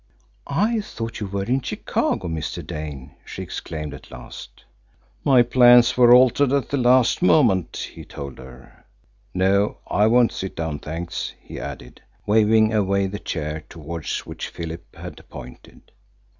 "I thought you were in Chicago, Mr. Dane!" she exclaimed at last. "My plans were altered at the last moment," he told her. "No, I won't sit down, thanks," he added, waving away the chair towards which Philip had pointed.